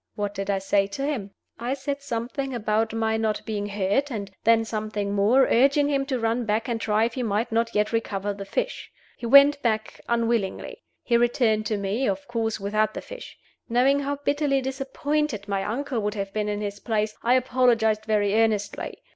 What did I say to him? I said something about my not being hurt, and then something more, urging him to run back and try if he might not yet recover the fish. He went back unwillingly. He returned to me of course without the fish. Knowing how bitterly disappointed my uncle would have been in his place, I apologized very earnestly.